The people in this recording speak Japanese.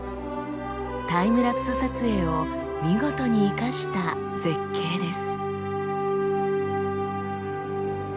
タイムラプス撮影を見事に生かした絶景です。